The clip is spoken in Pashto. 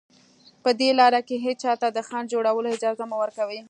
په دې لاره کې هېچا ته د خنډ جوړولو اجازه مه ورکوئ